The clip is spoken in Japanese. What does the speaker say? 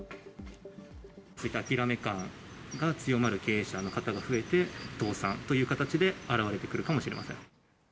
諦め感が強まる経営者の方が増えて、倒産という形であらわれてくるかもしれません。